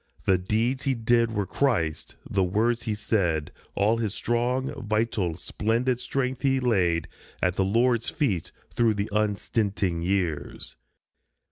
The deeds he did were Christ's, the words he said, All his strong, vital, splendid strength he laid At the Lord's feet through the unstinting years.